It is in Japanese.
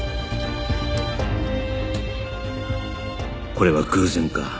これは偶然か？